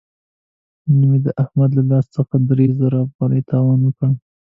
نن مې د احمد له لاس څخه درې زره افغانۍ تاوان وکړ.